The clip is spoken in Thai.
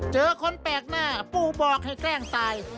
เจอคนแปลกหน้าปู่บอกให้แกล้งตาย